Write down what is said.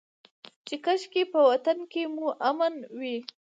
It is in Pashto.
چې کاشکي په وطن کې مو امن وى.